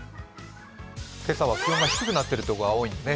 今朝は気温が低くなっている所が多いですね。